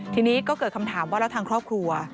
ทีนี้ก็เกิดคำถามว่าแล้วทางครอบครัว